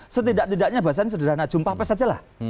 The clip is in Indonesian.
setidak tidaknya bahasanya sederhana jumpah pes aja lah